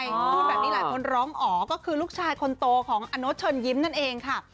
พูดแบบนี้หลายคนร้องอ๋อก็คือลูกชายคนโตของอโน๊ตเชิญยิ้มนั่นเองค่ะ